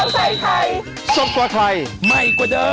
นี่เออเอาไปไป